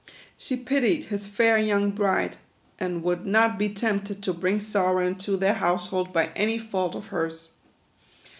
She pitied his fair young bride, and would not be 70 THE QUADROONS. tempted to bring sorrow into their household by any fault of hers.